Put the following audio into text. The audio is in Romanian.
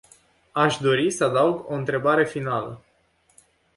Aș dori să adaug o întrebare finală.